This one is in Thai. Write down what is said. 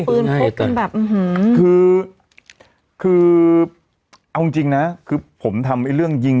พบกันแบบอื้อหือคือคือเอาจริงจริงนะคือผมทำไอ้เรื่องยิง